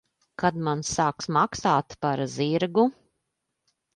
Kad man sāks maksāt par zirgu?